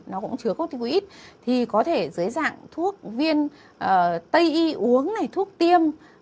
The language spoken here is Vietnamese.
nó cũng chứa cotivoid thì có thể dưới dạng thuốc viên tây y uống này thuốc tiêm